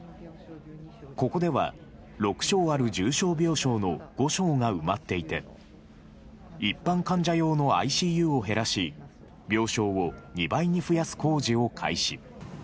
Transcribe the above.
ここでは、６床ある重症病床の５床が埋まっていて、一般患者用のＩＣＵを減らし、病床を２倍に増やす工事を開始。